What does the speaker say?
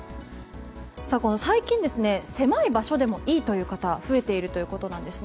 最近、狭い場所でもいいという方が増えているということなんです。